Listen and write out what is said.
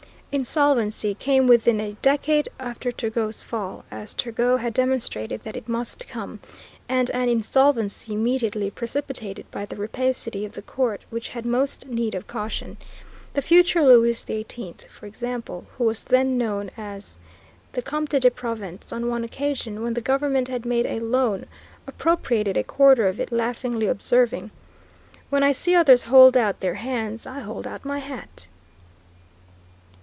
Insolvency came within a decade after Turgot's fall, as Turgot had demonstrated that it must come, and an insolvency immediately precipitated by the rapacity of the court which had most need of caution. The future Louis XVIII, for example, who was then known as the Comte de Provence, on one occasion, when the government had made a loan, appropriated a quarter of it, laughingly observing, "When I see others hold out their hands, I hold out my hat."